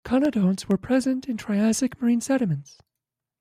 Conodonts were present in Triassic marine sediments.